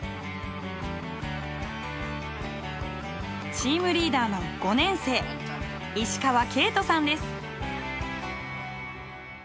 チームリーダーの５年生石川慶人さんです。